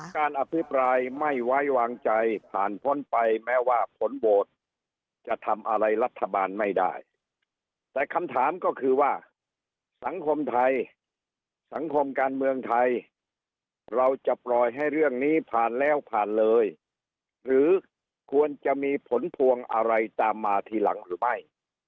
การอภิปรายไม่ไว้วางใจผ่านพ้นไปแม้ว่าผลโหวตจะทำอะไรรัฐบาลไม่ได้แต่คำถามก็คือว่าสังคมไทยสังคมการเมืองไทยเราจะปล่อยให้เรื่องนี้ผ่านแล้วผ่านเลยหรือควรจะมีผลพวงอะไรตามมาทีหลังหรือไม่